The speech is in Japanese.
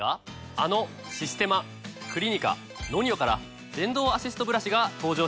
あのシステマクリニカＮＯＮＩＯから電動アシストブラシが登場したんです。